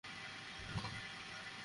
কী বলো এসব?